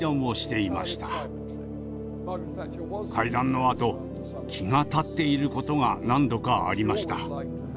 会談のあと気が立っていることが何度かありました。